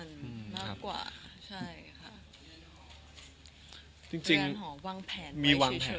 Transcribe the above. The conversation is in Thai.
จะรักเธอเพียงคนเดียว